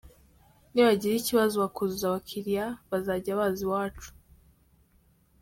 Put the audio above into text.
Nibagira ikibazo bakuzuza, abakiliya bazajya baza iwacu.